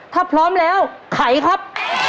ถ้าพร้อมแล้วไขครับ